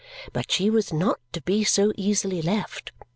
But she was not to be so easily left.